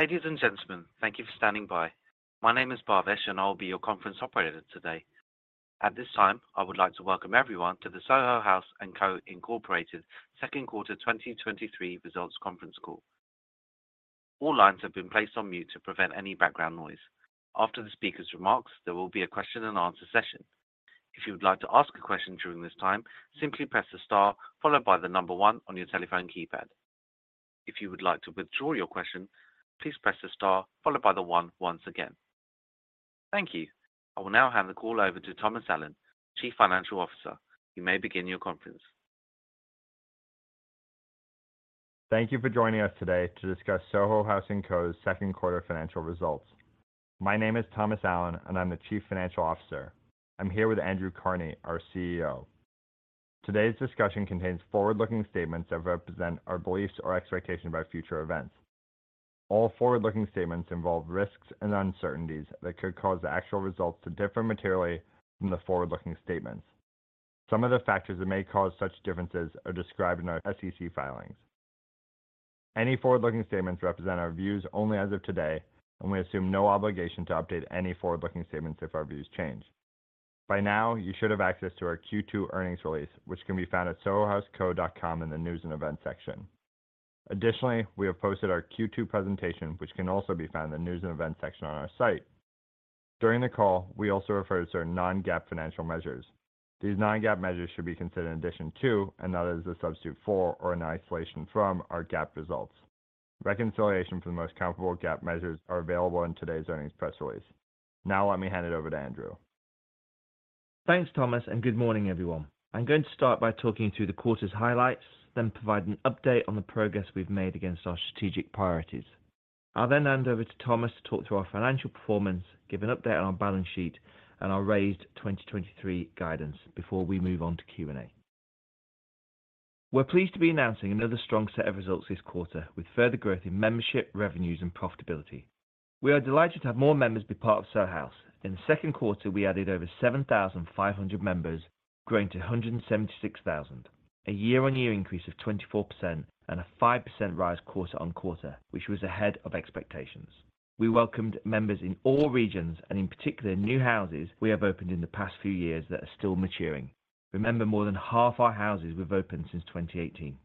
Ladies and gentlemen, thank you for standing by. My name is Bhavish, and I'll be your conference operator today. At this time, I would like to welcome everyone to the Soho House & Co Inc second Quarter 2023 results conference call. All lines have been placed on mute to prevent any background noise. After the speaker's remarks, there will be a question and answer session. If you would like to ask a question during this time, simply press the star followed by the number one on your telephone keypad. If you would like to withdraw your question, please press the star followed by the one once again. Thank you. I will now hand the call over to Thomas Allen, Chief Financial Officer. You may begin your conference. Thank you for joining us today to discuss Soho House & Co's second quarter financial results. My name is Thomas Allen, and I'm the Chief Financial Officer. I'm here with Andrew Carnie, our CEO. Today's discussion contains forward-looking statements that represent our beliefs or expectation about future events. All forward-looking statements involve risks and uncertainties that could cause the actual results to differ materially from the forward-looking statements. Some of the factors that may cause such differences are described in our SEC filings. Any forward-looking statements represent our views only as of today, and we assume no obligation to update any forward-looking statements if our views change. By now, you should have access to our Q2 earnings release, which can be found at sohohouseco.com in the News and Events section. We have posted our Q2 presentation, which can also be found in the News and Events section on our site. During the call, we also refer to certain non-GAAP financial measures. These non-GAAP measures should be considered in addition to, and not as a substitute for or in isolation from, our GAAP results. Reconciliation for the most comparable GAAP measures are available in today's earnings press release. Let me hand it over to Andrew. Thanks, Thomas. Good morning, everyone. I'm going to start by talking through the quarter's highlights, then provide an update on the progress we've made against our strategic priorities. I'll hand over to Thomas to talk through our financial performance, give an update on our balance sheet and our raised 2023 guidance before we move on to Q&A. We're pleased to be announcing another strong set of results this quarter, with further growth in membership, revenues and profitability. We are delighted to have more members be part of Soho House. In the second quarter, we added over 7,500 members, growing to 176,000, a year-on-year increase of 24% and a 5% rise quarter-on-quarter, which was ahead of expectations. We welcomed members in all regions and, in particular, new houses we have opened in the past few years that are still maturing. Remember, more than half our houses we've opened since 2018.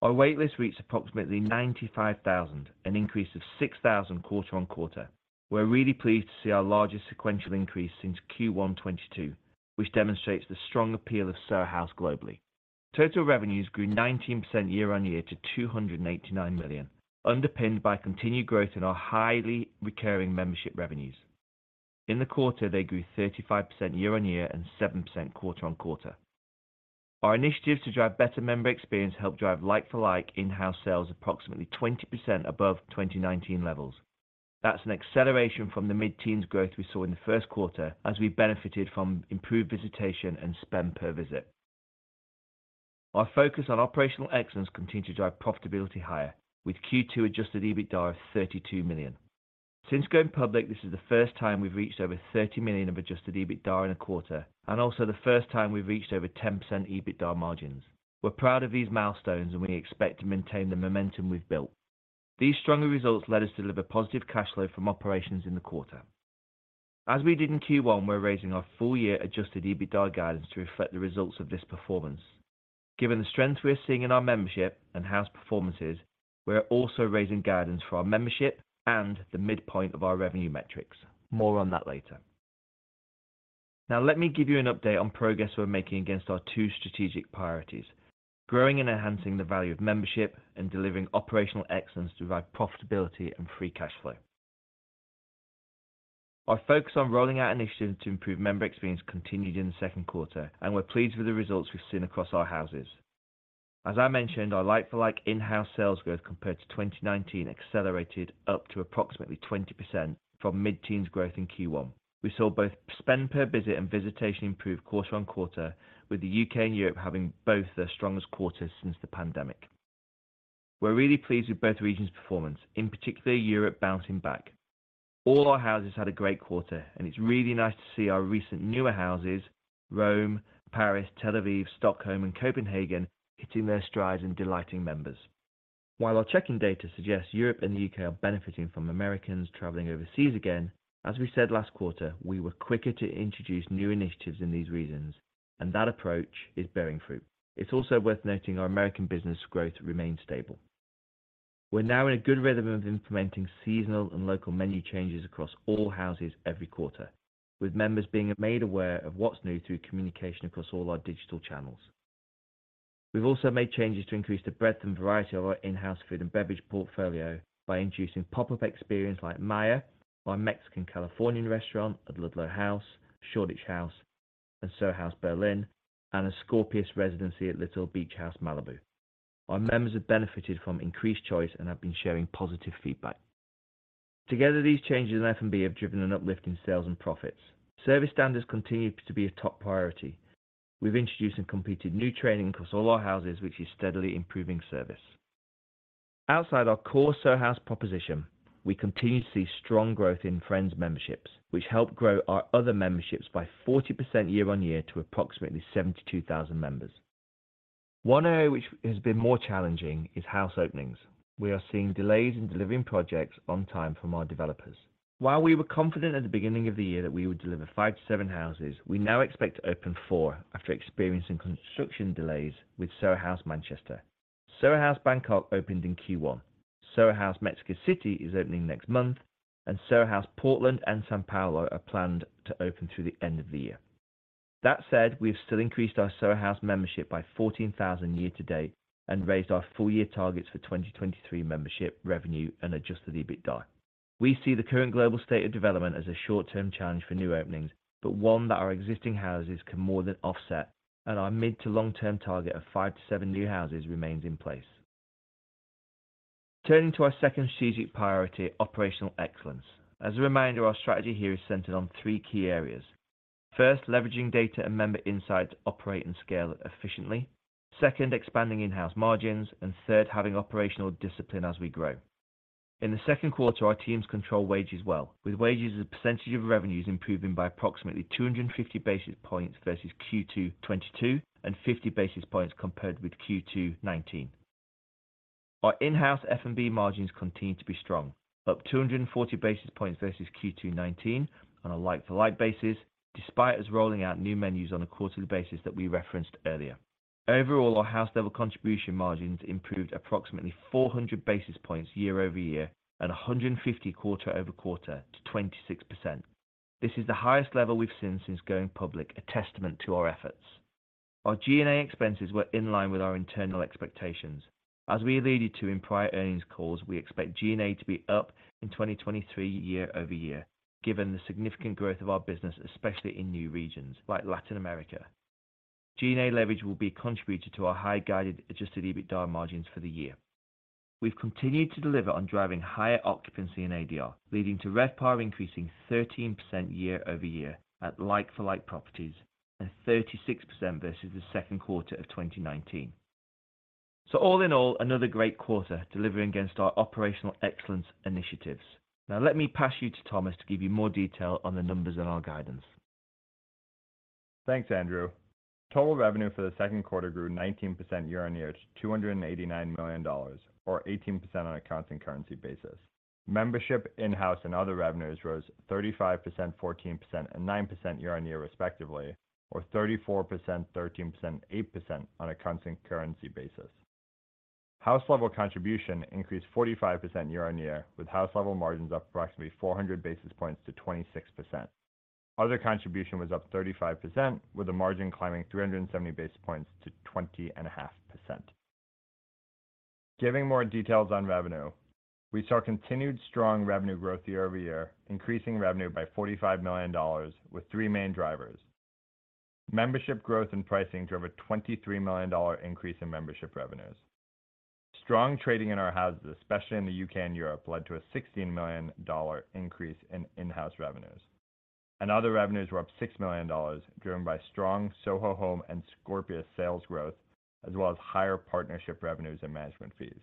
Our waitlist reached approximately 95,000, an increase of 6,000 quarter-on-quarter. We're really pleased to see our largest sequential increase since Q1 2022, which demonstrates the strong appeal of Soho House globally. Total revenues grew 19% year-on-year to $289 million, underpinned by continued growth in our highly recurring membership revenues. In the quarter, they grew 35% year-on-year and 7% quarter-on-quarter. Our initiatives to drive better member experience helped drive like-for-like in-house sales approximately 20% above 2019 levels. That's an acceleration from the mid-teens growth we saw in the first quarter, as we benefited from improved visitation and spend per visit. Our focus on operational excellence continued to drive profitability higher, with Q2 Adjusted EBITDA of $32 million. Since going public, this is the first time we've reached over $30 million of Adjusted EBITDA in a quarter, and also the first time we've reached over 10% EBITDA margins. We're proud of these milestones, and we expect to maintain the momentum we've built. These stronger results led us to deliver positive cash flow from operations in the quarter. As we did in Q1, we're raising our full-year Adjusted EBITDA guidance to reflect the results of this performance. Given the strength we are seeing in our membership and house performances, we're also raising guidance for our membership and the midpoint of our revenue metrics. More on that later. Let me give you an update on progress we're making against our two strategic priorities: growing and enhancing the value of membership and delivering operational excellence to drive profitability and free cash flow. Our focus on rolling out initiatives to improve member experience continued in the second quarter, we're pleased with the results we've seen across our houses. As I mentioned, our like-for-like in-house sales growth compared to 2019 accelerated up to approximately 20% from mid-teens growth in Q1. We saw both spend per visit and visitation improve quarter-on-quarter, with the U.K. and Europe having both their strongest quarters since the pandemic. We're really pleased with both regions' performance, in particular, Europe bouncing back. All our houses had a great quarter, it's really nice to see our recent newer houses, Rome, Paris, Tel Aviv, Stockholm and Copenhagen, hitting their strides and delighting members. While our checking data suggests Europe and the U.K. are benefiting from Americans traveling overseas again, as we said last quarter, we were quicker to introduce new initiatives in these regions, and that approach is bearing fruit. It's also worth noting our American business growth remains stable. We're now in a good rhythm of implementing seasonal and local menu changes across all houses every quarter, with members being made aware of what's new through communication across all our digital channels. We've also made changes to increase the breadth and variety of our in-house food and beverage portfolio by introducing pop-up experience like Maya, our Mexican Californian restaurant at Ludlow House, Shoreditch House, and Soho House Berlin, and a Scorpios residency at Little Beach House Malibu. Our members have benefited from increased choice and have been sharing positive feedback. Together, these changes in F&B have driven an uplift in sales and profits. Service standards continue to be a top priority. We've introduced and completed new training across all our houses, which is steadily improving service. Outside our core Soho House proposition, we continue to see strong growth in Friends memberships, which help grow our other memberships by 40% year-on-year to approximately 72,000 members. One area which has been more challenging is house openings. We are seeing delays in delivering projects on time from our developers. While we were confident at the beginning of the year that we would deliver five-seven houses, we now expect to open four after experiencing construction delays with Soho House Manchester. Soho House Bangkok opened in Q1. Soho House Mexico City is opening next month, Soho House Portland and São Paulo are planned to open through the end of the year. That said, we've still increased our Soho House membership by 14,000 year-to-date, raised our full year targets for 2023 membership revenue and Adjusted EBITDA. We see the current global state of development as a short-term challenge for new openings, one that our existing houses can more than offset, our mid-to-long-term target of five-seven new houses remains in place. Turning to our second strategic priority, operational excellence. As a reminder, our strategy here is centered on three key areas. First, leveraging data and member insights to operate and scale efficiently. second, expanding in-house margins, third, having operational discipline as we grow. In the second quarter, our teams control wages well, with wages as a percentage of revenues improving by approximately 250 basis points versus Q2 2022, and 50 basis points compared with Q2 2019. Our in-house F&B margins continue to be strong, up 240 basis points versus Q2 2019 on a like-for-like basis, despite us rolling out new menus on a quarterly basis that we referenced earlier. Overall, our house-level contribution margins improved approximately 400 basis points year-over-year, and 150 quarter-over-quarter to 26%. This is the highest level we've seen since going public, a testament to our efforts. Our G&A expenses were in line with our internal expectations. As we alluded to in prior earnings calls, we expect G&A to be up in 2023 year-over-year, given the significant growth of our business, especially in new regions like Latin America. G&A leverage will be contributed to our high guided Adjusted EBITDA margins for the year. We've continued to deliver on driving higher occupancy in ADR, leading to RevPAR increasing 13% year-over-year at like-for-like properties, and 36% versus the second quarter of 2019. All in all, another great quarter delivering against our operational excellence initiatives. Let me pass you to Thomas to give you more detail on the numbers and our guidance. Thanks, Andrew. Total revenue for the second quarter grew 19% year-over-year to $289 million or 18% on a constant currency basis. Membership in-house and other revenues rose 35%, 14%, and 9% year-over-year, respectively, or 34%, 13%, 8% on a constant currency basis. house-level contribution increased 45% year-over-year, with house-level margins up approximately 400 basis points to 26%. Other contribution was up 35%, with a margin climbing 370 basis points to 20.5%. Giving more details on revenue, we saw continued strong revenue growth year-over-year, increasing revenue by $45 million with three main drivers. Membership growth and pricing drove a $23 million increase in membership revenues. Strong trading in our houses, especially in the U.K. and Europe, led to a $16 million increase in in-house revenues. Other revenues were up $6 million, driven by strong Soho Home and Scorpios sales growth, as well as higher partnership revenues and management fees.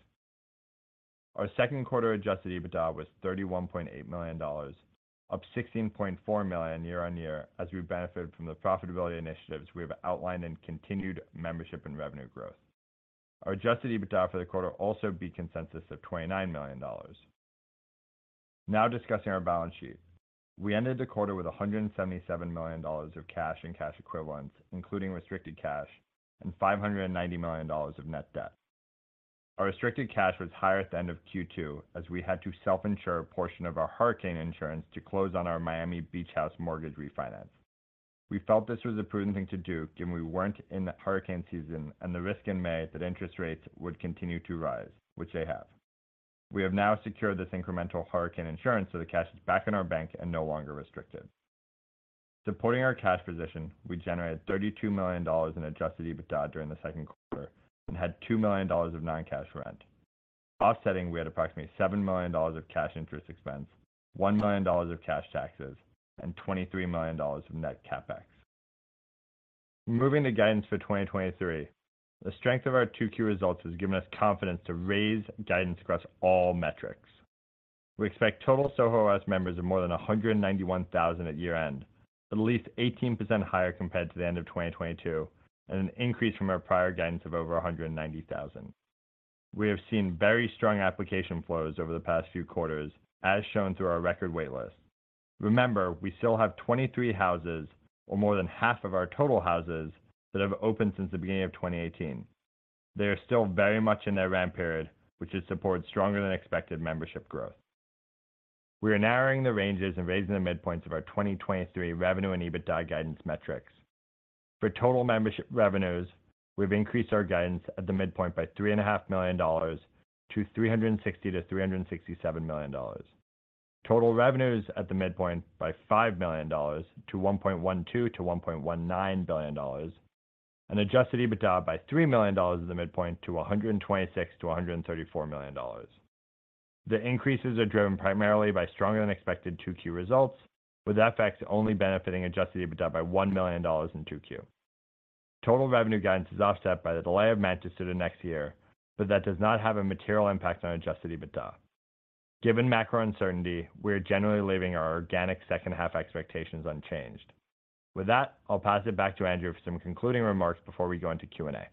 Our second quarter Adjusted EBITDA was $31.8 million, up $16.4 million year-on-year, as we benefited from the profitability initiatives we have outlined in continued membership and revenue growth. Our Adjusted EBITDA for the quarter also beat consensus of $29 million. Now discussing our balance sheet. We ended the quarter with $177 million of cash and cash equivalents, including restricted cash and $590 million of net debt. Our restricted cash was higher at the end of Q2 as we had to self-insure a portion of our hurricane insurance to close on our Soho Beach House mortgage refinance. We felt this was a prudent thing to do, given we weren't in the hurricane season, and the risk in May that interest rates would continue to rise, which they have. We have now secured this incremental hurricane insurance, so the cash is back in our bank and no longer restricted. Supporting our cash position, we generated $32 million in Adjusted EBITDA during the second quarter and had $2 million of non-cash rent. Offsetting, we had approximately $7 million of cash interest expense, $1 million of cash taxes, and $23 million of net CapEx. Moving to guidance for 2023, the strength of our 2Q results has given us confidence to raise guidance across all metrics. We expect total Soho House members of more than 191,000 at year-end, at least 18% higher compared to the end of 2022, and an increase from our prior guidance of over 190,000. We have seen very strong application flows over the past few quarters, as shown through our record wait list. Remember, we still have 23 houses or more than half of our total houses that have opened since the beginning of 2018. They are still very much in their ramp period, which has supported stronger than expected membership growth. We are narrowing the ranges and raising the midpoints of our 2023 revenue and EBITDA guidance metrics. For total membership revenues, we've increased our guidance at the midpoint by $3.5 million-$360 million-$367 million. Total revenues at the midpoint by $5 million-$1.12 billion-$1.19 billion, and Adjusted EBITDA by $3 million at the midpoint-$126 million-$134 million. The increases are driven primarily by stronger than expected 2Q results, with FX only benefiting Adjusted EBITDA by $1 million in 2Q. Total revenue guidance is offset by the delay of Manchester to next year, but that does not have a material impact on Adjusted EBITDA. Given macro uncertainty, we're generally leaving our organic second half expectations unchanged. With that, I'll pass it back to Andrew for some concluding remarks before we go into Q&A.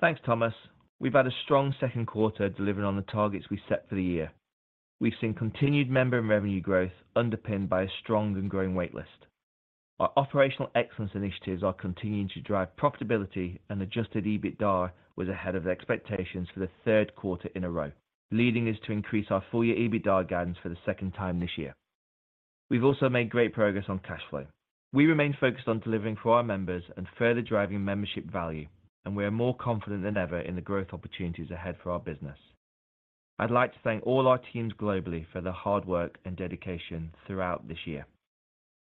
Thanks, Thomas. We've had a strong second quarter delivering on the targets we set for the year. We've seen continued member and revenue growth, underpinned by a strong and growing wait list. Our operational excellence initiatives are continuing to drive profitability, and Adjusted EBITDA was ahead of expectations for the third quarter in a row, leading us to increase our full year EBITDA guidance for the second time this year. We've also made great progress on cash flow. We remain focused on delivering for our members and further driving membership value, and we are more confident than ever in the growth opportunities ahead for our business. I'd like to thank all our teams globally for their hard work and dedication throughout this year.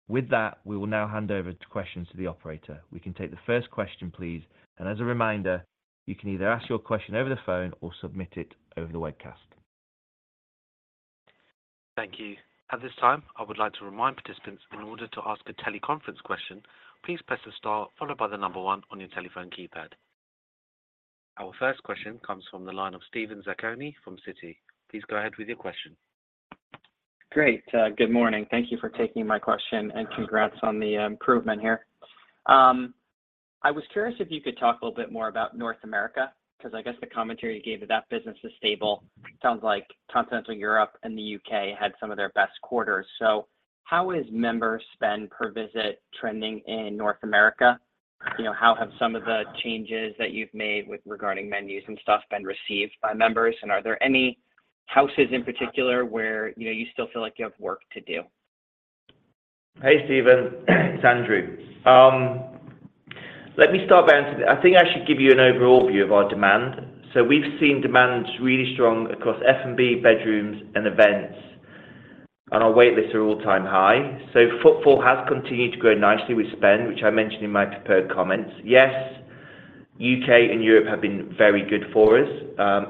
With that, we will now hand over to questions to the operator. We can take the first question, please. As a reminder, you can either ask your question over the phone or submit it over the webcast. Thank you. At this time, I would like to remind participants, in order to ask a teleconference question, please press the star followed by the one on your telephone keypad. Our first question comes from the line of Steven Zaccone from Citi. Please go ahead with your question. Great, good morning. Thank you for taking my question, and congrats on the improvement here. I was curious if you could talk a little bit more about North America, 'cause I guess the commentary you gave to that business is stable. Sounds like Continental Europe and the U.K. had some of their best quarters. How is member spend per visit trending in North America? You know, how have some of the changes that you've made with regarding menus and stuff been received by members? Are there any houses in particular where, you know, you still feel like you have work to do? Hey, Stephen, it's Andrew. I think I should give you an overall view of our demand. We've seen demand really strong across F&B, bedrooms, and events, and our waitlists are all-time high. Footfall has continued to grow nicely with spend, which I mentioned in my prepared comments. Yes, U.K. and Europe have been very good for us.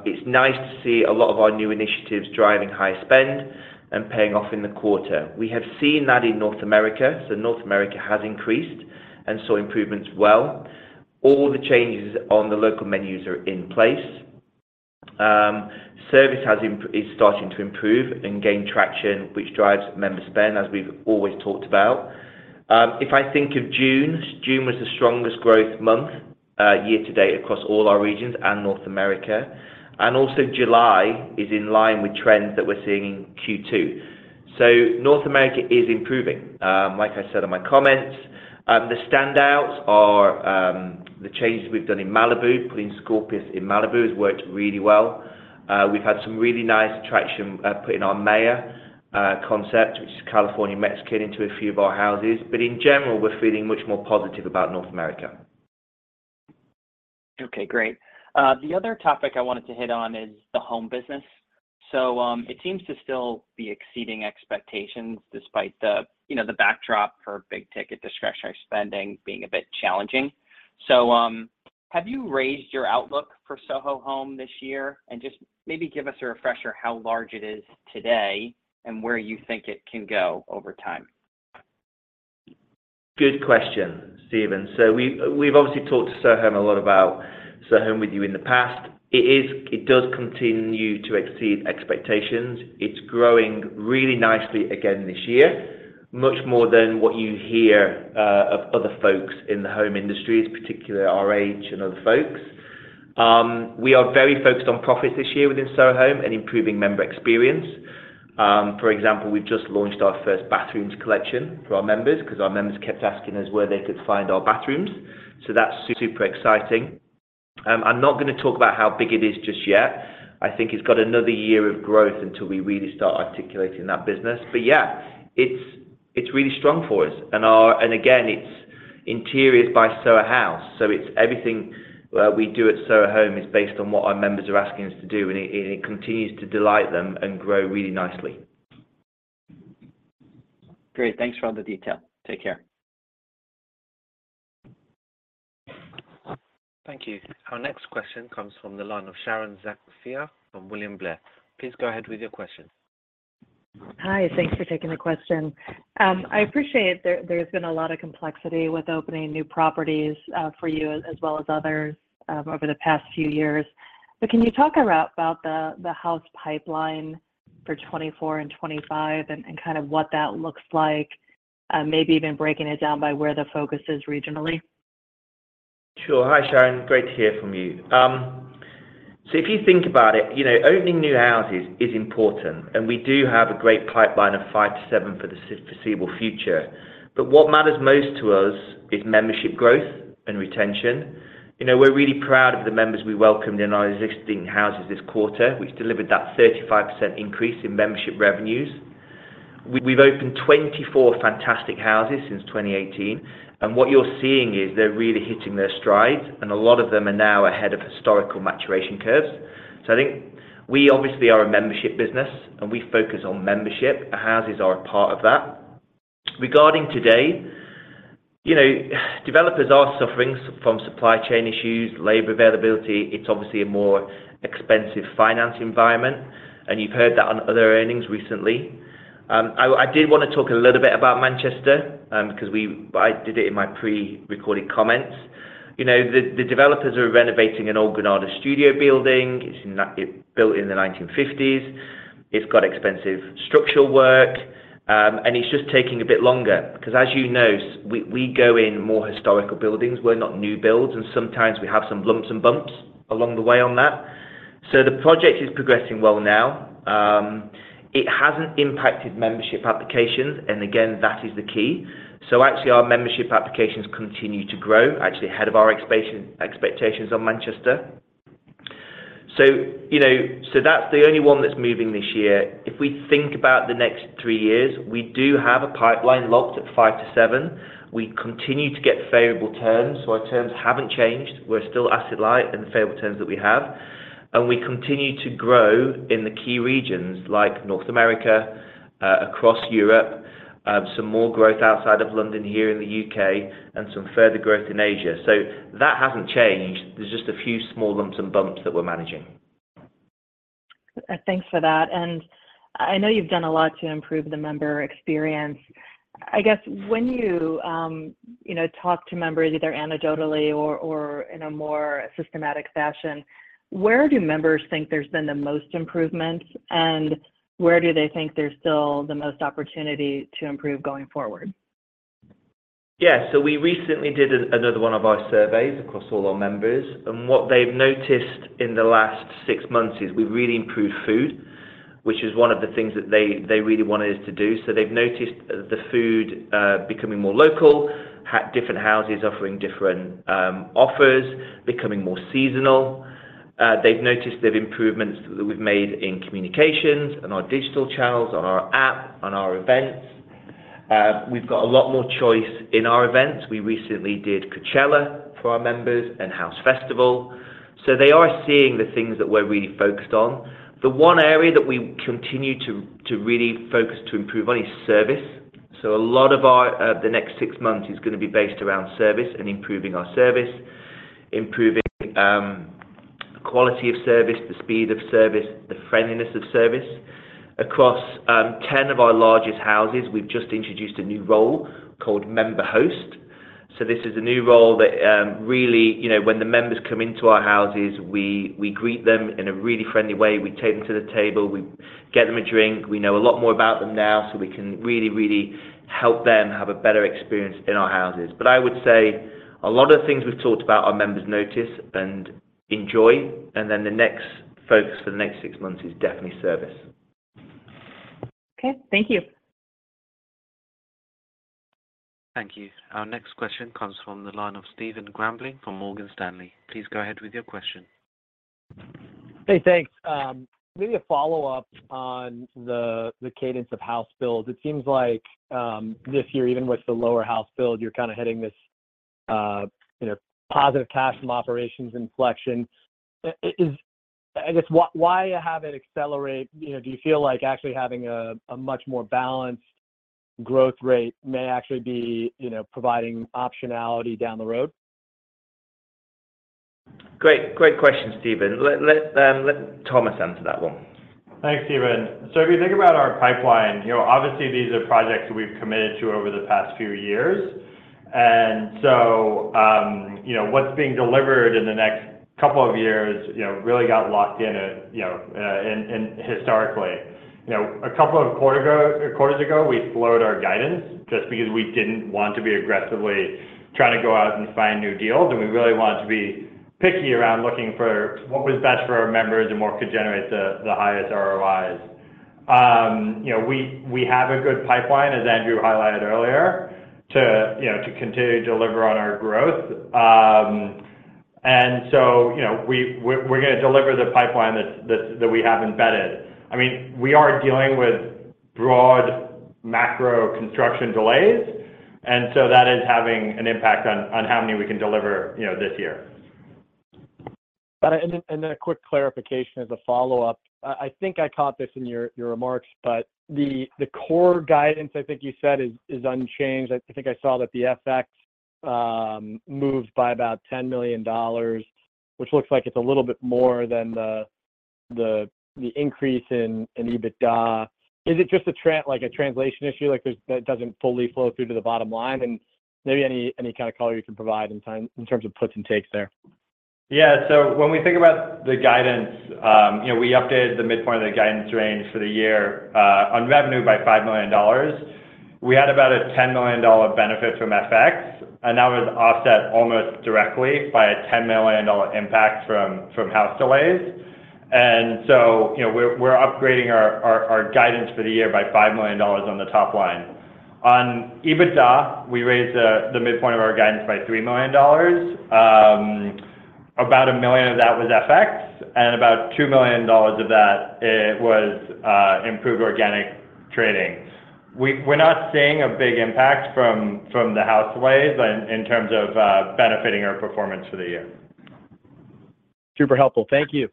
It's nice to see a lot of our new initiatives driving high spend and paying off in the quarter. We have seen that in North America. North America has increased and saw improvements well. All the changes on the local menus are in place. Service is starting to improve and gain traction, which drives member spend, as we've always talked about. If I think of June, June was the strongest growth month, year-to-date across all our regions and North America, and also July is in line with trends that we're seeing in Q2. North America is improving. Like I said in my comments, the standouts are the changes we've done in Malibu. Putting Scorpios in Malibu has worked really well. We've had some really nice traction, putting our Maya concept, which is California Mexican, into a few of our houses, but in general, we're feeling much more positive about North America. Okay, great. The other topic I wanted to hit on is the home business. It seems to still be exceeding expectations, despite the, you know, the backdrop for big-ticket discretionary spending being a bit challenging. Have you raised your outlook for Soho Home this year? Just maybe give us a refresher, how large it is today and where you think it can go over time? Good question, Steven. We've obviously talked to Soho Home a lot about Soho Home with you in the past. It does continue to exceed expectations. It's growing really nicely again this year, much more than what you hear of other folks in the home industries, particularly our age and other folks. We are very focused on profits this year within Soho Home and improving member experience. For example, we've just launched our first bathrooms collection for our members because our members kept asking us where they could find our bathrooms. That's super exciting. I'm not gonna talk about how big it is just yet. I think it's got another year of growth until we really start articulating that business. Yeah, it's, it's really strong for us and again, it's interiors by Soho House, so it's everything we do at Soho Home is based on what our members are asking us to do, and it, it continues to delight them and grow really nicely. Great. Thanks for all the detail. Take care. Thank you. Our next question comes from the line of Sharon Zackfia from William Blair. Please go ahead with your question. Hi, thanks for taking the question. I appreciate there, there's been a lot of complexity with opening new properties for you as well as others over the past few years. Can you talk about the house pipeline for 2024 and 2025 and kind of what that looks like, maybe even breaking it down by where the focus is regionally? Sure. Hi, Sharon, great to hear from you. If you think about it, you know, opening new houses is important, and we do have a great pipeline of five to seven for the foreseeable future. What matters most to us is membership growth and retention. You know, we're really proud of the members we welcomed in our existing houses this quarter, which delivered that 35% increase in membership revenues. We've opened 24 fantastic houses since 2018, and what you're seeing is they're really hitting their stride, and a lot of them are now ahead of historical maturation curves. I think we obviously are a membership business, and we focus on membership. Houses are a part of that. Regarding today, you know, developers are suffering from supply chain issues, labor availability. It's obviously a more expensive finance environment, and you've heard that on other earnings recently. I, I did wanna talk a little bit about Manchester, 'cause I did it in my pre-recorded comments. You know, the, the developers are renovating an old Granada studio building. It's it built in the 1950s. It's got expensive structural work, and it's just taking a bit longer, 'cause as you know, we, we go in more historical buildings, we're not new builds, and sometimes we have some lumps and bumps along the way on that. The project is progressing well now. It hasn't impacted membership applications, and again, that is the key. Actually, our membership applications continue to grow, actually ahead of our expectation, expectations on Manchester. You know, so that's the only one that's moving this year. If we think about the next three years, we do have a pipeline locked at five-seven. We continue to get favorable terms. Our terms haven't changed. We're still asset-light in the favorable terms that we have, and we continue to grow in the key regions like North America, across Europe, some more growth outside of London, here in the U.K., and some further growth in Asia. That hasn't changed. There's just a few small lumps and bumps that we're managing. Thanks for that, and I know you've done a lot to improve the member experience. I guess when you, you know, talk to members, either anecdotally or, or in a more systematic fashion, where do members think there's been the most improvements, and where do they think there's still the most opportunity to improve going forward? We recently did another one of our surveys across all our members, and what they've noticed in the last six months is we've really improved food, which is one of the things that they, they really wanted us to do. They've noticed the food becoming more local, different houses offering different offers, becoming more seasonal. They've noticed the improvements that we've made in communications and our digital channels, on our app, on our events. We've got a lot more choice in our events. We recently did Coachella for our members and House Festival, they are seeing the things that we're really focused on. The one area that we continue to really focus to improve on is service. A lot of our, the next six months is gonna be based around service and improving our service, improving quality of service, the speed of service, the friendliness of service. Across 10 of our largest houses, we've just introduced a new role called Member Host. This is a new role that really, you know, when the members come into our houses, we greet them in a really friendly way. We take them to the table. We get them a drink. We know a lot more about them now, so we can really, really help them have a better experience in our houses. I would say a lot of the things we've talked about, our members notice and enjoy, and then the next focus for the next six months is definitely service. Okay, thank you. Thank you. Our next question comes from the line of Stephen Grambling from Morgan Stanley. Please go ahead with your question. Hey, thanks. Maybe a follow-up on the cadence of house builds. It seems like this year, even with the lower house build, you're kinda hitting this, you know, positive cash from operations inflection. I guess why, why have it accelerate? You know, do you feel like actually having a much more balanced growth rate may actually be, you know, providing optionality down the road? Great, great question, Steven. Let Thomas answer that one. Thanks, Steven. If you think about our pipeline, obviously, these are projects we've committed to over the past few years. What's being delivered in the next couple of years really got locked in in historically. A couple of quarter ago, quarters ago, we slowed our guidance just because we didn't want to be aggressively trying to go out and find new deals, and we really wanted to be picky around looking for what was best for our members and what could generate the highest ROIs. We have a good pipeline, as Andrew highlighted earlier, to continue to deliver on our growth. We're gonna deliver the pipeline that we have embedded. I mean, we are dealing with broad macro construction delays, so that is having an impact on how many we can deliver, you know, this year. A quick clarification as a follow-up. I think I caught this in your remarks, but the core guidance, I think you said, is unchanged. I think I saw that the FX moved by about $10 million, which looks like it's a little bit more than the increase in EBITDA. Is it just like a translation issue, that doesn't fully flow through to the bottom line? Maybe any kind of color you can provide in terms of puts and takes there. Yeah, when we think about the guidance, you know, we updated the midpoint of the guidance range for the year on revenue by $5 million. We had about a $10 million benefit from FX, that was offset almost directly by a $10 million impact from house delays. You know, we're upgrading our guidance for the year by $5 million on the top line. On EBITDA, we raised the midpoint of our guidance by $3 million. About $1 million of that was FX, about $2 million of that, it was improved organic trading. We're not seeing a big impact from the house delays in terms of benefiting our performance for the year. Super helpful. Thank you.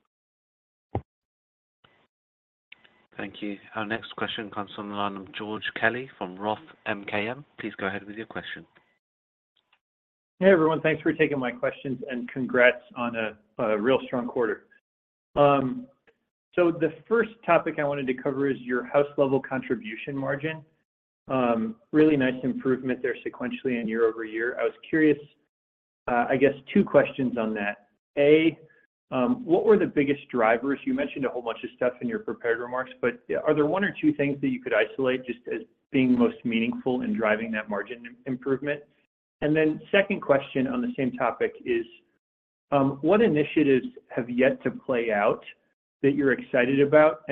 Thank you. Our next question comes from the line of George Kelly from Roth MKM. Please go ahead with your question. Hey, everyone. Thanks for taking my questions. Congrats on a real strong quarter. The first topic I wanted to cover is your house-level contribution margin. Really nice improvement there sequentially and year-over-year. I was curious, I guess two questions on that. A, what were the biggest drivers? You mentioned a whole bunch of stuff in your prepared remarks, but are there one or two things that you could isolate just as being most meaningful in driving that margin improvement? Second question on the same topic is, what initiatives have yet to play out that you're excited about?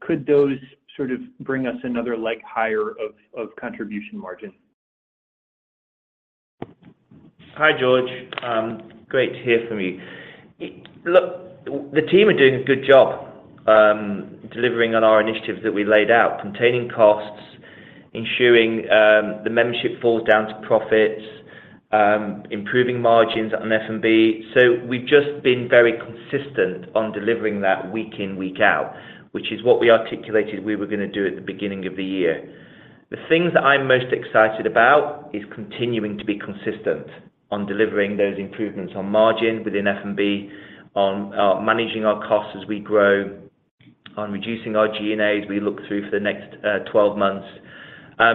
Could those sort of bring us another leg higher of contribution margin? Hi, George. Great to hear from you. Look, the team are doing a good job delivering on our initiatives that we laid out, containing costs, ensuring the membership falls down to profits, improving margins on F&B. We've just been very consistent on delivering that week in, week out, which is what we articulated we were going to do at the beginning of the year. The things that I'm most excited about is continuing to be consistent on delivering those improvements on margin within F&B, on managing our costs as we grow, on reducing our G&As as we look through for the next 12 months,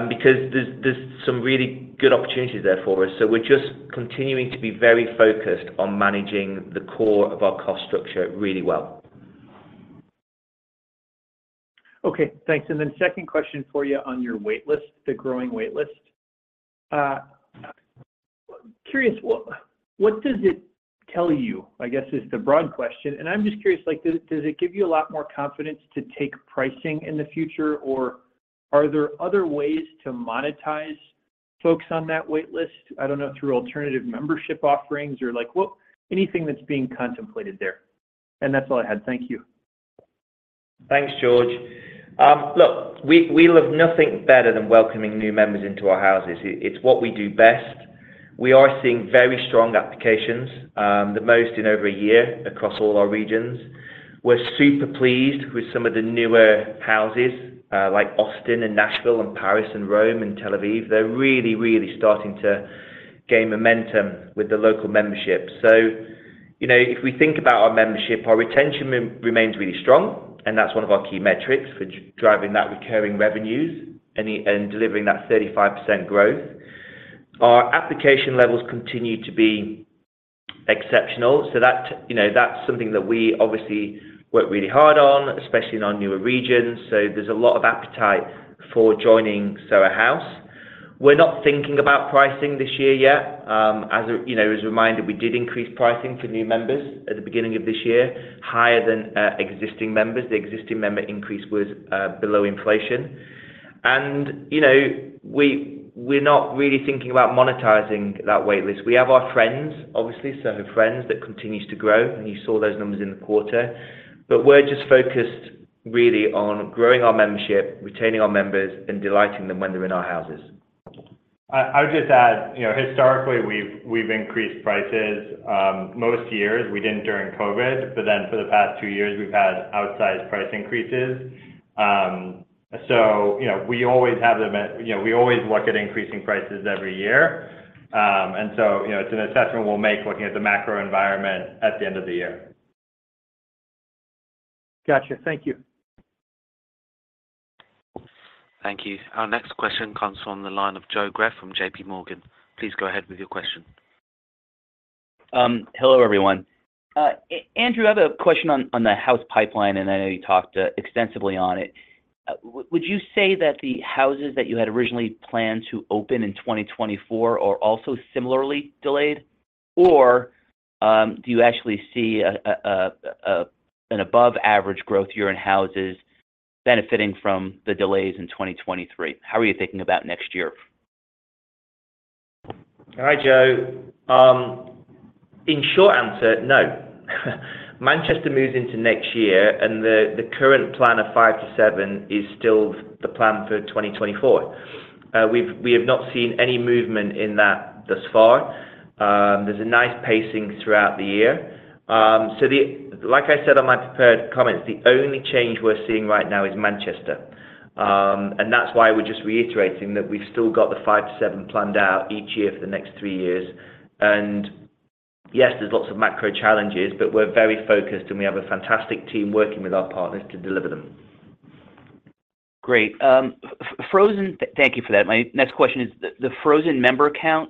because there's, there's some really good opportunities there for us. We're just continuing to be very focused on managing the core of our cost structure really well. Okay, thanks. Then second question for you on your wait list, the growing wait list. Curious, what, what does it tell you, I guess, is the broad question? I'm just curious, like, does, does it give you a lot more confidence to take pricing in the future, or are there other ways to monetize folks on that wait list? I don't know, through alternative membership offerings or like, what-- anything that's being contemplated there. That's all I had. Thank you. Thanks, George. Look, we, we love nothing better than welcoming new members into our houses. It, it's what we do best. We are seeing very strong applications, the most in over a year, across all our regions. We're super pleased with some of the newer houses, like Austin and Nashville and Paris and Rome and Tel Aviv. They're really, really starting to gain momentum with the local membership. You know, if we think about our membership, our retention remains really strong, and that's one of our key metrics for driving that recurring revenues, and the, and delivering that 35% growth. Our application levels continue to be exceptional, so that, you know, that's something that we obviously work really hard on, especially in our newer regions. There's a lot of appetite for joining Soho House. We're not thinking about pricing this year yet. As a, you know, as a reminder, we did increase pricing for new members at the beginning of this year, higher than existing members. The existing member increase was below inflation. You know, we're not really thinking about monetizing that wait list. We have our Friends, obviously, so Friends, that continues to grow, and you saw those numbers in the quarter. We're just focused really on growing our membership, retaining our members, and delighting them when they're in our houses. I would just add, you know, historically, we've, we've increased prices, most years. We didn't during COVID, but then for the past two years, we've had outsized price increases. You know, we always have the, you know, we always look at increasing prices every year. You know, it's an assessment we'll make looking at the macro environment at the end of the year. Gotcha. Thank you. Thank you. Our next question comes from the line of Joe Greff from JPMorgan. Please go ahead with your question. Hello, everyone. Andrew, I have a question on the house pipeline, and I know you talked extensively on it. Would you say that the houses that you had originally planned to open in 2024 are also similarly delayed, or do you actually see an above average growth year in houses benefiting from the delays in 2023? How are you thinking about next year? Hi, Joe. In short answer, no. Manchester moves into next year, and the current plan of five to seven is still the plan for 2024. We have not seen any movement in that thus far. There's a nice pacing throughout the year. Like I said on my prepared comments, the only change we're seeing right now is Manchester. That's why we're just reiterating that we've still got the five to seven planned out each year for the next three years. Yes, there's lots of macro challenges, but we're very focused, and we have a fantastic team working with our partners to deliver them. Great, thank you for that. My next question is, the frozen member count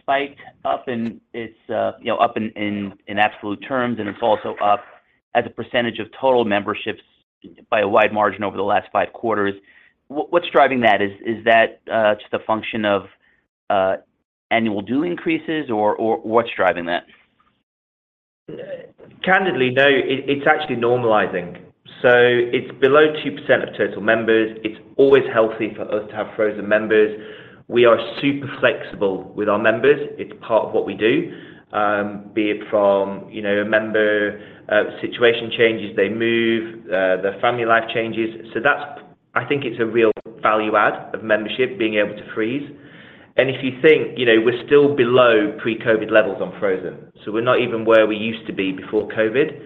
spiked up in its, you know, up in, in, in absolute terms, and it's also up as a percentage of total memberships by a wide margin over the last five quarters. What's driving that? Is, is that just a function of annual due increases, or, or what's driving that? Candidly, no, it, it's actually normalizing. It's below 2% of total members. It's always healthy for us to have frozen members. We are super flexible with our members. It's part of what we do, be it from, you know, a member situation changes, they move, their family life changes. I think it's a real value add of membership, being able to freeze. If you think, you know, we're still below pre-COVID levels on frozen, we're not even where we used to be before COVID.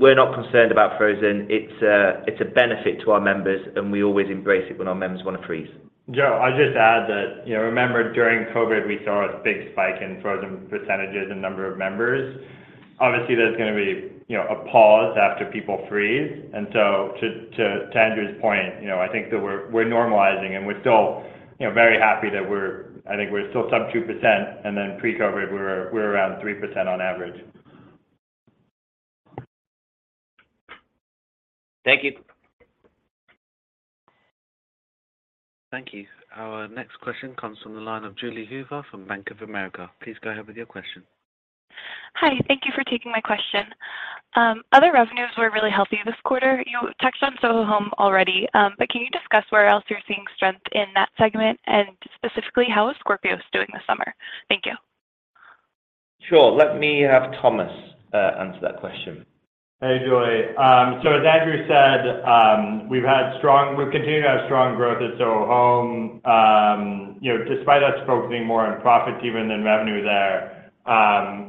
We're not concerned about frozen. It's a, it's a benefit to our members, and we always embrace it when our members want to freeze. Joe, I'll just add that, you know, remember, during COVID, we saw a big spike in frozen percentages and number of members. Obviously, there's gonna be, you know, a pause after people freeze. So to, to, to Andrew's point, you know, I think that we're, we're normalizing, and we're still, you know, very happy that we're, I think we're still sub 2%, and then pre-COVID, we're, we're around 3% on average. Thank you. Thank you. Our next question comes from the line of Julie Hoover from Bank of America. Please go ahead with your question. Hi, thank you for taking my question. Other revenues were really healthy this quarter. You touched on Soho Home already, can you discuss where else you're seeing strength in that segment? Specifically, how is Scorpios doing this summer? Thank you. Sure. Let me have Thomas, answer that question. Hey, Julie. As Andrew said, We've continued to have strong growth at Soho Home. You know, despite us focusing more on profits even than revenue there,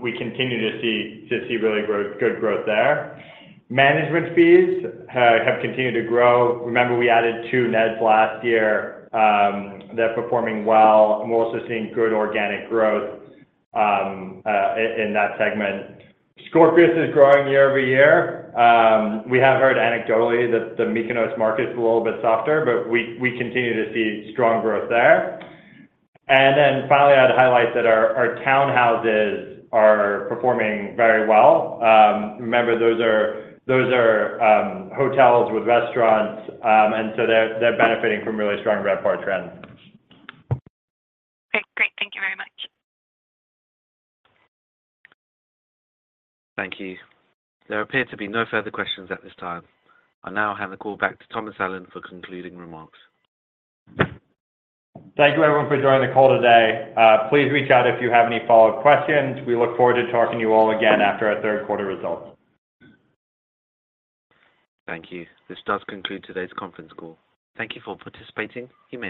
we continue to see really growth, good growth there. Management fees have continued to grow. Remember we added two nets last year, they're performing well, and we're also seeing good organic growth in that segment. Scorpios is growing year-over-year. We have heard anecdotally that the Mykonos market is a little bit softer, but we continue to see strong growth there. Finally, I'd highlight that our Townhouses are performing very well. Remember, those are hotels with restaurants, and so they're benefiting from really strong RevPAR trends. Okay, great. Thank you very much. Thank you. There appear to be no further questions at this time. I'll now hand the call back to Thomas Allen for concluding remarks. Thank you, everyone, for joining the call today. Please reach out if you have any follow-up questions. We look forward to talking to you all again after our third quarter results. Thank you. This does conclude today's conference call. Thank you for participating. You may now disconnect.